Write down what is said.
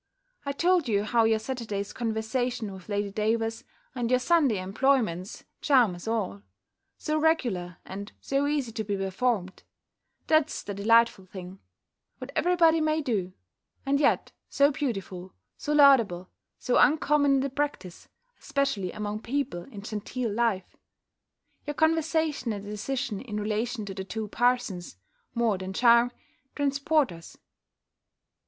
I told you how your Saturday's conversation with Lady Davers, and your Sunday employments, charm us all: so regular, and so easy to be performed That's the delightful thing What every body may do; and yet so beautiful, so laudable, so uncommon in the practice, especially among people in genteel life! Your conversation and decision in relation to the two parsons (more than charm) transport us.